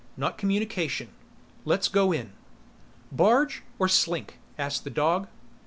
Not communication. Let's go in." "Barge, or slink?" asked the dog.